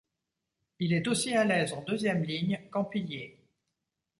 Il est aussi à l’aise en deuxième ligne qu’en pilier.